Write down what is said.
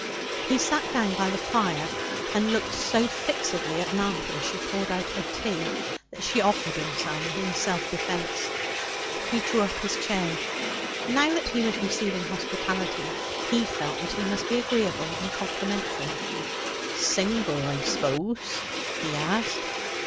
He sat down by the fire, and looked so fixedly at Martha as she poured out her tea that she offered him some in self defence. He drew up his chair. Now that he was receiving hospitality, he felt that he must be agreeable and complimentary. 'Single, I suppose?' he asked.